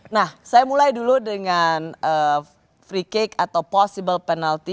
nah saya mulai dulu dengan free cake atau possible penalti